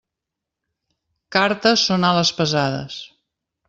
Cartes són ales pesades.